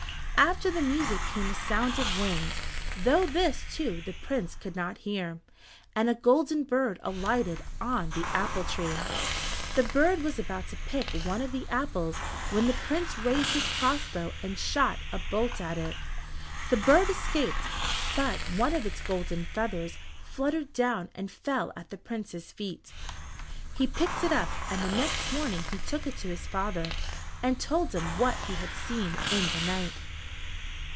After the music came a sound of wings, though this, too, the Prince could not hear, and a golden bird alighted on the apple tree. The bird was about to pick one of the apples when the Prince raised his crossbow and shot a bolt at it. The bird escaped, but one of its golden feathers fluttered down and fell at the Prince's feet. He picked it up, and the next morning he took it to his father and told him what he had seen in the night.